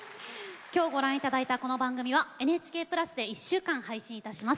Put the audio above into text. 今日ご覧頂いたこの番組はＮＨＫプラスで１週間配信いたします。